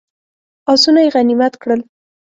آسونه یې غنیمت کړل.